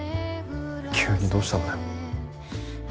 急にどうしたんだよ？